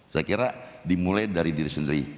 saya kira dimulai dari diri sendiri